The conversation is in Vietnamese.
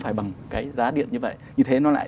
phải bằng cái giá điện như vậy như thế nó lại